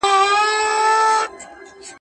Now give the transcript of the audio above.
د اولیاوو او شیخانو پیر وو !.